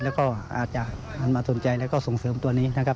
แล้วก็อาจจะหันมาสนใจแล้วก็ส่งเสริมตัวนี้นะครับ